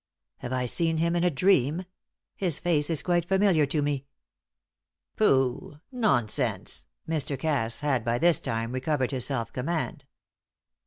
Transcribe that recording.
"Have I seen him in a dream? His face is quite familiar to me." "Pooh! Nonsense!" Mr. Cass had by this time recovered his self command.